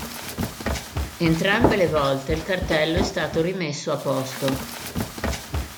Entrambe le volte il cartello è stato rimesso a posto.